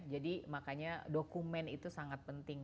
jadi makanya dokumen itu sangat penting